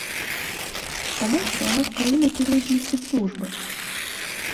Таму, што ў нас краінай кіруюць не спецслужбы.